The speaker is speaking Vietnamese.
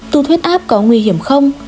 tụt huyết áp có nguy hiểm không